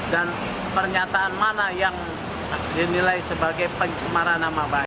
pernyataan mana yang dinilai sebagai pencemaran nama baik